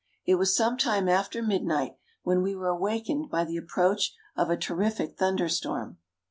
It was some time after midnight when we were awakened by the approach of a terrific thunderstorm.